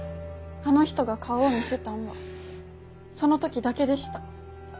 あの人が顔を見せたんはその時だけでした。